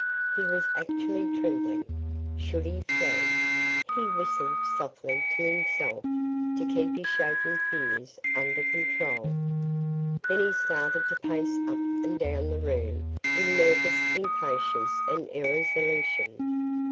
He was actually trembling. Should he flee? He whistled softly to himself to keep his shaking fears under control. Then he started to pace up and down the room in nervous impatience and irresolution.